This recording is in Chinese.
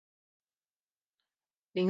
林斯多夫。